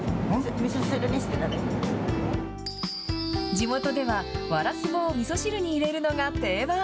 地元ではワラスボをみそ汁に入れるのが定番。